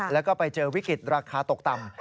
แล้วก็ไปเจอวิกฤตราคาตกต่ำ